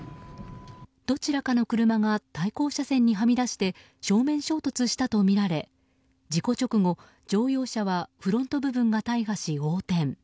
どちらかの車が対向車線にはみ出して正面衝突したとみられ事故直後、乗用車はフロント部分が大破し、横転。